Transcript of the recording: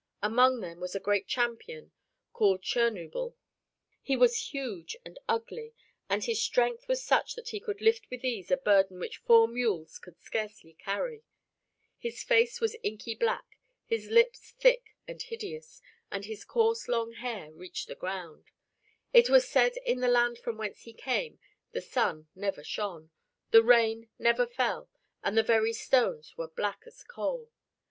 Among them was a great champion called Chernuble. He was huge and ugly and his strength was such that he could lift with ease a burden which four mules could scarcely carry. His face was inky black, his lips thick and hideous, and his coarse long hair reached the ground. It was said that in the land from whence he came, the sun never shone, the rain never fell, and the very stones were black as coal.